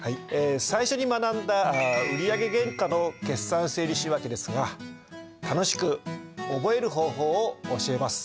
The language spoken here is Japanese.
最初に学んだ売上原価の決算整理仕訳ですが楽しく覚える方法を教えます。